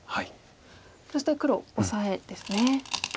そして黒オサエですね。